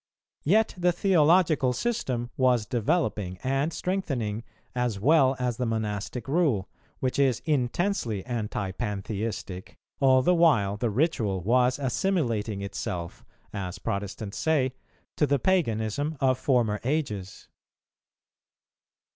Yet the theological system was developing and strengthening, as well as the monastic rule, which is intensely anti pantheistic, all the while the ritual was assimilating itself, as Protestants say, to the Paganism of former ages.